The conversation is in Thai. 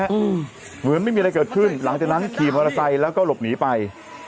อือเหมือนไม่มีอะไรเกิดขึ้นหลังจากนั้นขี่ภาษาสัยแล้วก็หลบหนีไป